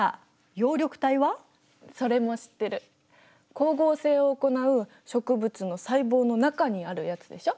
光合成を行う植物の細胞の中にあるやつでしょ。